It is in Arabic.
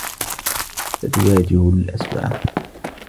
ستواجه الأسوء.